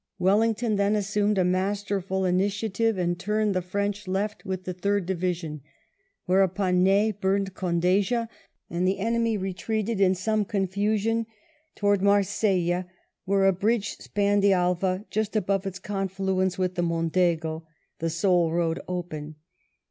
Wellington then assumed a masterful initiative, and turned the French left with the Third Division ; whereupon Ney burned Condeixa, and the enemy retreated in some confusion towards Marcella, where a bridge spanned the Alva just above its confluence with the Mondego, the sole road open.